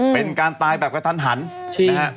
เป็นการตายแบบกระทันหันนะฮะ